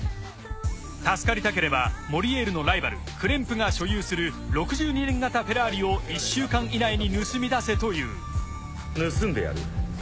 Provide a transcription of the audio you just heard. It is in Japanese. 助かりたければモリエールのライバルクレンプが所有する６２年型フェラーリを１週間以内に盗み出せという盗んでやる。